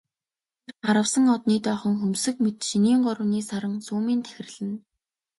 Тэр харвасан одны доохон хөмсөг мэт шинийн гуравны саран сүүмийн тахирлана.